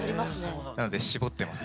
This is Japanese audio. なので絞ってます